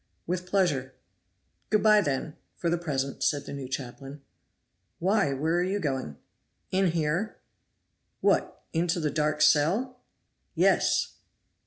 "With pleasure." "Good by, then, for the present," said the new chaplain. "Why, where are you going?" "In here." "What, into the dark cell?" "Yes!"